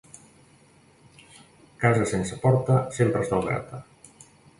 Casa sense porta sempre està oberta.